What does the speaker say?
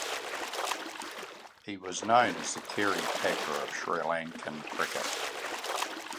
He was known as the "Kerry Packer of Sri Lankan cricket".